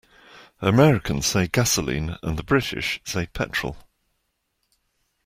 Americans say gasoline and the British say petrol.